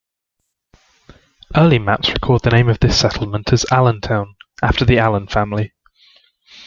Early maps record the name of this settlement as Allentown, after the Allen family.